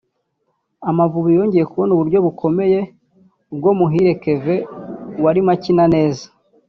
Amavubi yongeye kubona uburyo bukomeye ubwo Muhire Kevin warimo akina neza